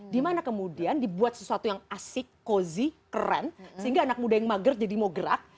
dimana kemudian dibuat sesuatu yang asik kozi keren sehingga anak muda yang mager jadi mau gerak